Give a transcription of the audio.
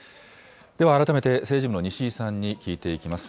では改めて政治部の西井さんに聞いていきます。